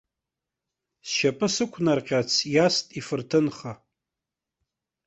Сшьапы сықәнаҟьарц иаст ифырҭынха.